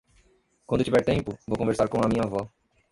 Quando tiver tempo, vou conversar com a minha avó.